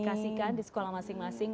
terima kasih kak di sekolah masing masing